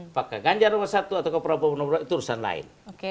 apakah ganjar nomor satu atau ke prabowo nomor dua itu urusan lain